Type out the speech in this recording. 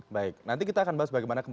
baik nanti kita akan bahas bagaimana kemudian